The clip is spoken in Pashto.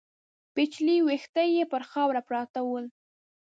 پيچلي ويښته يې پر خاورو پراته ول.